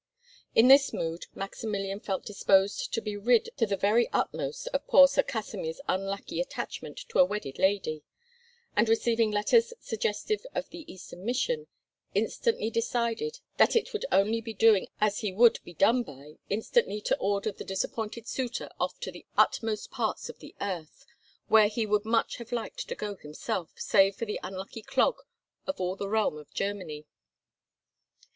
In this mood, Maximilian felt disposed to be rid to the very utmost of poor Sir Kasimir's unlucky attachment to a wedded lady; and receiving letters suggestive of the Eastern mission, instantly decided that it would only be doing as he would be done by instantly to order the disappointed suitor off to the utmost parts of the earth, where he would much have liked to go himself, save for the unlucky clog of all the realm of Germany.